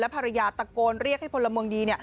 ภรรยาตะโกนเรียกให้พลเมืองดี